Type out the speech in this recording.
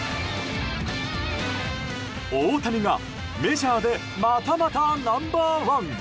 大谷がメジャーでまたまた、ナンバー１！